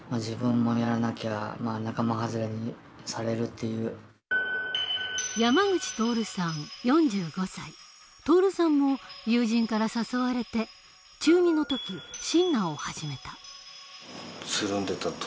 そういうものは求めていたし徹さんも友人から誘われて中２の時シンナーを始めた。